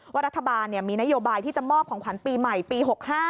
ว่ารัฐบาลมีนโยบายที่จะมอบของขวัญปีใหม่ปี๖๕